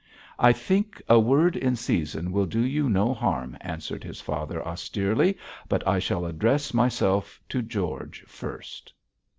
'I think a word in season will do you no harm,' answered his father, austerely, 'but I shall address myself to George first.'